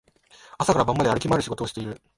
朝から晩まで歩き回る仕事をしている